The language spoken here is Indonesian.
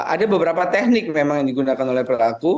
ada beberapa teknik memang yang digunakan oleh pelaku